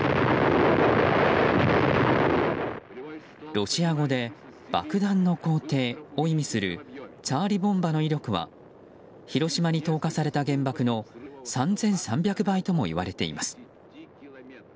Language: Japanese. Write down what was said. ロシア語で爆弾の皇帝を意味するツァーリ・ボンバの威力は広島に投下された原爆の３３００倍ともいわれています。